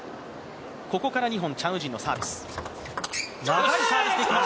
ここから２本、チャン・ウジンのサービス。